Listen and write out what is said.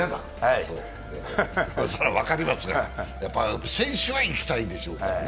それは分かりますが、選手は行きたいでしょうからね。